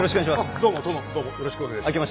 どうも殿どうもよろしくお願いします。